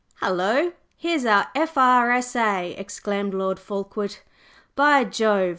"Hullo! here's our F.R.S.A.!" exclaimed Lord Fulkeward. "By Jove!